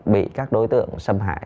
bị các đối tượng xâm hại